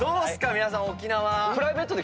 皆さん沖縄。